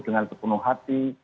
dengan sepenuh hati